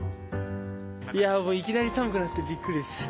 いやー、もういきなり寒くなってびっくりです。